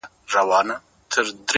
مړ يمه هغه وخت به تاته سجده وکړمه;